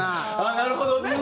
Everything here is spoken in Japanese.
なるほどね。